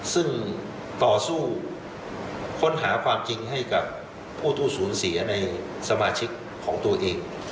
ซึ่งต่อสู้ค้นหาความจริงให้กับผู้สูญเสียในสมาชิกของตัวเอง